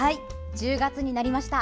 １０月になりました。